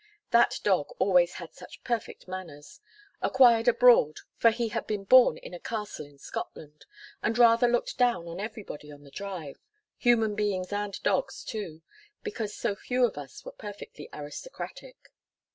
That dog always had such perfect manners acquired abroad, for he had been born in a castle in Scotland, and rather looked down on everybody on the Drive, human beings and dogs too, because so few of us were perfectly aristocratic.